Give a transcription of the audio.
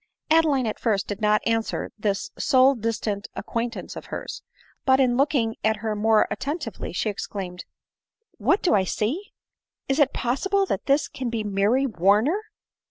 Adeline at first did not answer this soi distant acquaint ance of hers ; but, in looking at her more attentively, she exclaimed, " What do I see ? Is it possible that this clan be Mary Warner